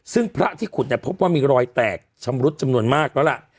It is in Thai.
ซึ่งพระที่ขุดเนี่ยพบว่ามีรอยแตกชำรุดจำนวนมากแล้วล่ะ